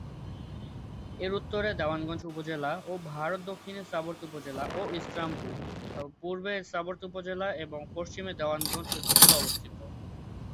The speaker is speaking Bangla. এর উত্তরে দেওয়ানগঞ্জ উপজেলা ও ভারত, দক্ষিণে শ্রীবরদী উপজেলা ও ইসলামপুর, পূর্বে শ্রীবরদী উপজেলা এবং পশ্চিমে দেওয়ানগঞ্জ উপজেলা অবস্থিত।